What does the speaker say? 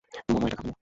মমা এটা খাবে না।